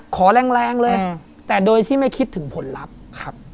ขอแรงเลยแต่โดยที่ไม่คิดถึงผลลัพธ์